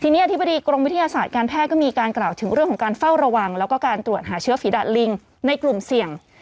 ทีนี้อธิบดีกรมวิทยาศาสตร์การแพทย์ก็มีการกล่าวถึงเรื่องของการเฝ้าระวังแล้วก็การตรวจหาเชื้อฝีดาดลิงในกลุ่มเสี่ยง